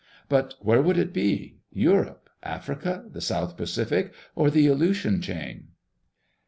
But where would it be? Europe, Africa, the South Pacific, or the Aleutian chain?